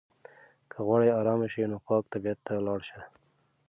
که غواړې ارام شې نو پاک طبیعت ته لاړ شه.